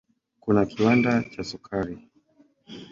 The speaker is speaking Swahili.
Kuna kiwanda cha sukari.